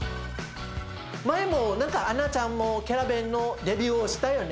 前も何かアンナちゃんもキャラベンのデビューをしたよね。